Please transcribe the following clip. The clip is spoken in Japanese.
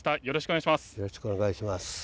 よろしくお願いします。